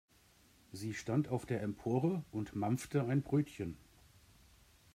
Sie stand auf der Empore und mampfte ein Brötchen.